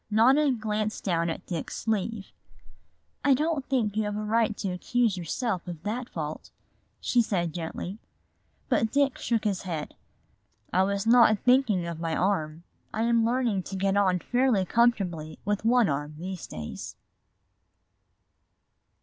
Nona glanced down at Dick's sleeve. "I don't think you have a right to accuse yourself of that fault," she said gently. But Dick shook his head. "I was not thinking of my arm; I am learning to get on fairly comfortably with one arm these days."